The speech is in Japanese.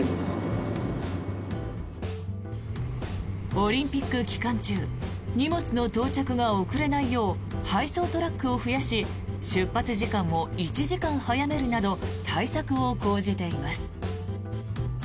オリンピック期間中荷物の到着が遅れないよう配送トラックを増やし出発時間を１時間早めるなど対策を講じています。